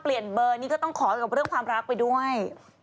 เปลี่ยนเบอร์นี้ก็ต้องขอกับเรื่องความรักไปด้วย